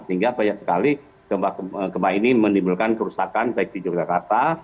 sehingga banyak sekali gempa ini menimbulkan kerusakan baik di yogyakarta